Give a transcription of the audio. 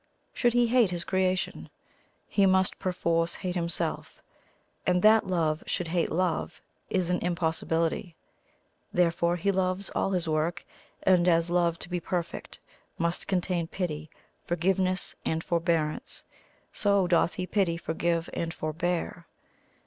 Should He hate His Creation, He must perforce hate Himself; and that Love should hate Love is an impossibility. Therefore He loves all His work; and as Love, to be perfect, must contain Pity, Forgiveness, and Forbearance, so doth He pity, forgive, and forbear.